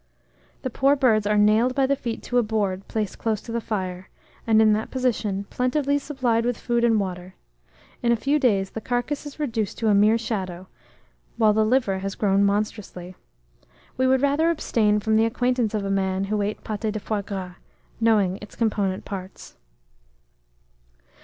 The poor birds are nailed by the feet to a board placed close to a fire, and, in that position, plentifully supplied with food and water. In a few days, the carcase is reduced to a mere shadow, while the liver has grown monstrously. We would rather abstain from the acquaintance of a man who ate pâté de foie gras, knowing its component parts.